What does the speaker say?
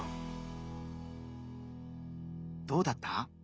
どうだった？